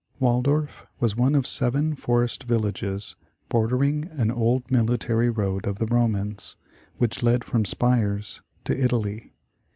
WALDORF was one of seven ''forest villages,'* bordering an old military road of the Romans, which led from Spires to Italy.